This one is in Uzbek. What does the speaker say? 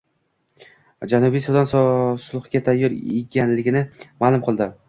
Janubiy Sudan sulhga tayyor ekanligini ma’lum qildi